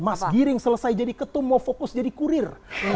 mas giring selesai jadi ketum mau fokus jadi kurir